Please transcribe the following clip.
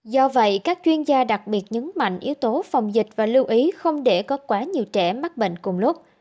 do vậy các chuyên gia đặc biệt nhấn mạnh yếu tố phòng dịch và lưu ý không để có quá nhiều trẻ mắc bệnh cùng lúc